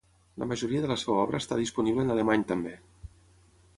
La majoria de la seva obra està disponible en alemany també.